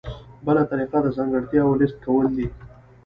بله طریقه د ځانګړتیاوو لیست کول دي.